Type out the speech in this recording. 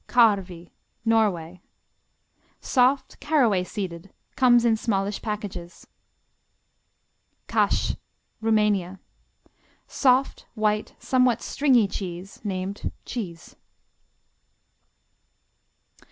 Karvi Norway Soft; caraway seeded; comes in smallish packages. Kash Rumania Soft, white, somewhat stringy cheese named cheese.